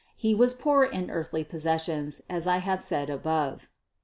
He was poor in earthly possessions, as I have said above.